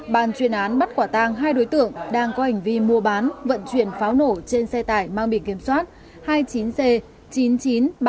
bán chuyên án bắt quả tang hai đối tượng đang có hành vi mua bán vận chuyển pháo nổ trên xe tải mang biển kiểm soát hai mươi chín c chín mươi chín nghìn ba trăm sáu mươi bảy